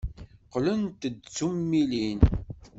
Qqlent d tummilin.